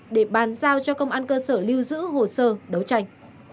để bàn giao cho công an cơ sở lưu giữ hồ sơ đấu tranh